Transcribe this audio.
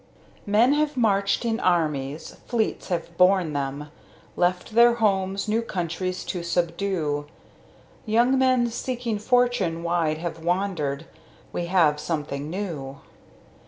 Men have marched in armies, fleets have borne them, Left their homes new countries to subdue; Young men seeking fortune wide have wandered We have something new.